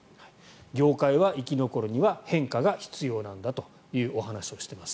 業界が生き残るには変化が必要なんだというお話をしています。